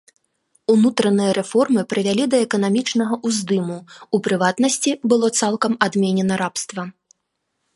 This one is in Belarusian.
Унутраныя рэформы прывялі да эканамічнага ўздыму, у прыватнасці, было цалкам адменена рабства.